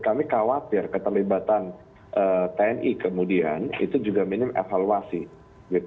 kami khawatir keterlibatan tni kemudian itu juga minim evaluasi